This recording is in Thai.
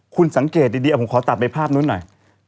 คุณสังเกตดีผมขอตัดไปภาพนู้นหน่อย